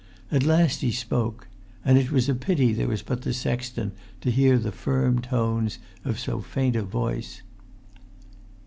At last he spoke—and it was a pity there was but the sexton to hear the firm tones of so faint a voice.